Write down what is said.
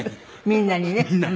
みんなに。